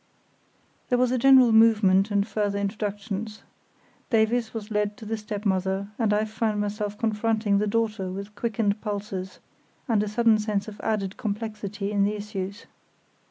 There was a general movement and further introductions. Davies was led to the stepmother, and I found myself confronting the daughter with quickened pulses, and a sudden sense of added complexity in the issues.